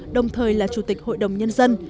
đồng thời là chủ tịch hội đồng nhân dân